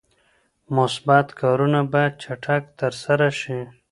مثبت کارونه باید چټک ترسره شي.